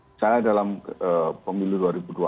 misalnya dalam pemilih dua ribu dua puluh empat